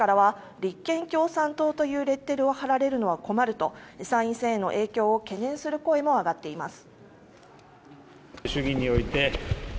立憲の党内からは立憲共産党というレッテルを貼られるのは困ると参院選への影響を懸念する声も上がっています。